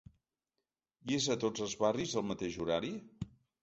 I es a tots els barris el mateix horari?